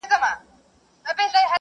هغه په ډېر هوډ سره دښمن ته ماته ورکړه.